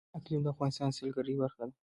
اقلیم د افغانستان د سیلګرۍ برخه ده.